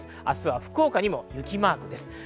明日は福岡にも雪マークです。